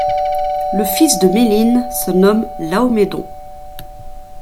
Le fils de Méline se nomme Laomedon.